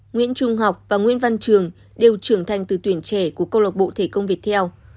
nguyễn trung học và nguyễn văn trường đều trưởng thành từ tuyển trẻ của câu lạc bộ thể công việt theo